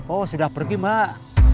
oh sudah pergi mbak